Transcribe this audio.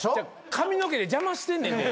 髪の毛で邪魔してんねんって。